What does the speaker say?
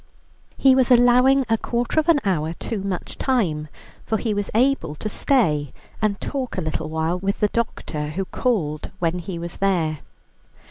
He was allowing a quarter of an hour too much time, for he was able to stay and talk a little while with the doctor, who called when he was there.